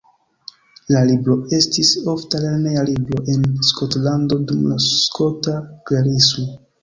La libro estis ofta lerneja libro en Skotlando dum la Skota Klerismo.